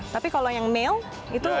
tapi kalau yang male itu kaku ya